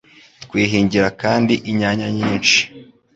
Twihingira kandi inyanya nyinshi.